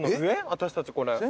私たちこれ。